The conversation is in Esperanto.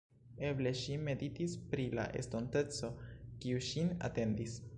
Eble ŝi meditis pri la estonteco, kiu ŝin atendis.